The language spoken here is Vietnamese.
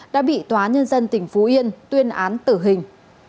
đã bị tòa nhân dân tỉnh phú yên tuyên án tử hình